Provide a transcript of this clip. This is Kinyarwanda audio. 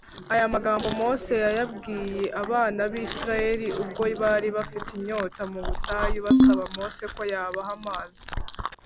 ” Aya magambo Mose yayabwiye abana b’Isiraheli ubwo bari bafite inyota mu butayu, basaba Mose ko yabaha amazi